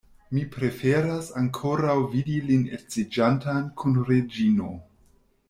Mi preferas ankoraŭ vidi lin edziĝantan kun Reĝino.